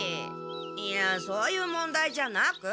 いやそういう問題じゃなく。